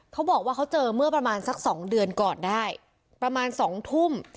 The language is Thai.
เขาบอกว่าเขาเจอเมื่อประมาณสักสองเดือนก่อนได้ประมาณ๒ทุ่ม